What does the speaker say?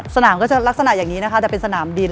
สนามก็จะลักษณะอย่างนี้นะคะแต่เป็นสนามบิน